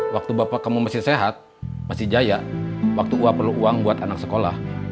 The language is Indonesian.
waktu bapak kamu masih sehat masih jaya waktu uang perlu uang buat anak sekolah